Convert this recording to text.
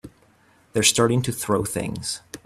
They're starting to throw things!